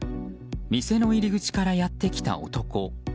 店の入り口からやってきた男。